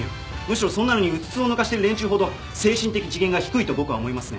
むしろそんなのにうつつを抜かしてる連中ほど精神的次元が低いと僕は思いますね。